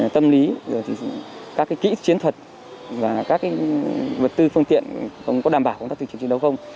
tâm lý các kỹ chiến thuật và các vật tư phương tiện không có đảm bảo công tác tuyên truyền chiến đấu không